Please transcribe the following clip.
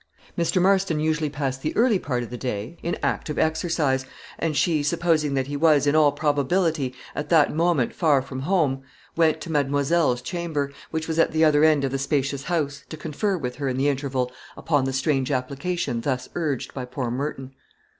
Mr. Marston usually passed the early part of the day in active exercise, and she, supposing that he was, in all probability, at that moment far from home, went to "mademoiselle's" chamber, which was at the other end of the spacious house, to confer with her in the interval upon the strange application thus urged by poor Merton.